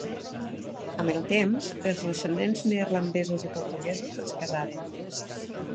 Amb el temps, els descendents neerlandesos i portuguesos es casaren.